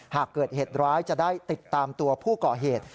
หากเกิดเหตุร้ายจะได้ติดตามตัวผู้ก่อเหตุ